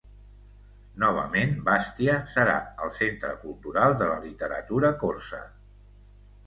Novament Bastia serà el centre cultural de la literatura corsa.